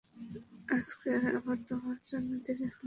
আজকে আবার তোমার জন্য দেরি হলো।